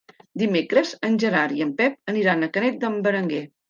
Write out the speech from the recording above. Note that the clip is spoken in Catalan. Dimecres en Gerard i en Pep aniran a Canet d'en Berenguer.